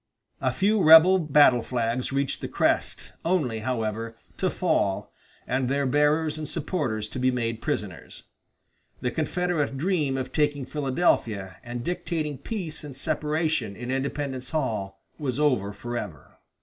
A few rebel battle flags reached the crest, only, however, to fall, and their bearers and supporters to be made prisoners. The Confederate dream of taking Philadelphia and dictating peace and separation in Independence Hall was over forever.